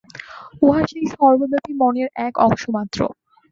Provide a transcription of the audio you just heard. উহা সেই সর্বব্যাপী মনের এক অংশমাত্র।